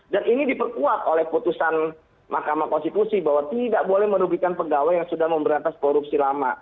dan ini diperkuat oleh putusan mahkamah konstitusi bahwa tidak boleh merugikan pegawai yang sudah memberantas korupsi lama